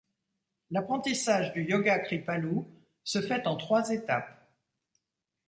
L'apprentissage du yoga Kripalu se fait en trois étapes.